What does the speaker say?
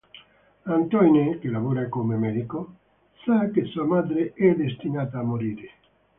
Antoine, che lavora come medico, sa che sua madre è destinata a morire.